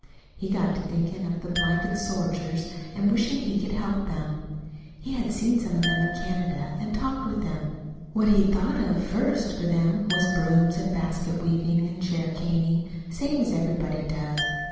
He got to thinking of the blinded soldiers and wishing he could help them. He had seen some of them in Canada, and talked with them. What he thought of first for them was brooms, and basket weaving and chair caning, same as everybody does.